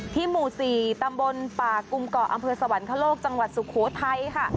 หมู่๔ตำบลป่ากุมเกาะอำเภอสวรรคโลกจังหวัดสุโขทัยค่ะ